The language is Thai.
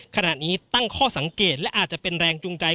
ขณะนี้ตั้งข้อสังเกตและอาจจะเป็นแรงจูงใจ